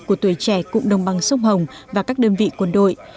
của tuổi trẻ cụm đồng bằng sông hồng và các đơn vị quân đội